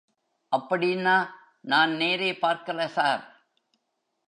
அப்படீன்னா? நான் நேரே பார்க்லை சார்.